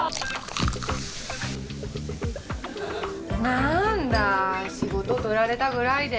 なーんだ仕事取られたぐらいで。